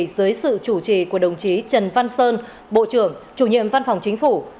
dưới sự chủ trì của đồng chí trần văn sơn bộ trưởng chủ nhiệm văn phòng chính phủ